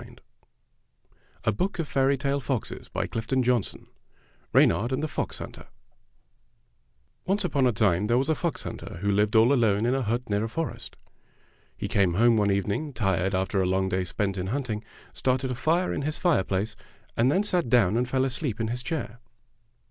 >: y • I ( i ••', I * i ' ;^v<yv4 REYNARD AND THE FOX HUNTER REYNARD AND THE FOX HUNTER O NCE upon a time there was a fox hunter who lived all alone in a hut near a forest. He came home one evening, tired after a long day spent in hunting, started a fire in his fireplace, and then sat down and fell asleep in his chair.